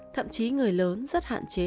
thậm chí người lớn rất hạn chế